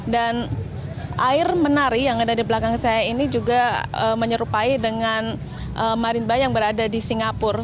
dan air menari yang ada di belakang saya ini juga menyerupai dengan marimba yang berada di singapura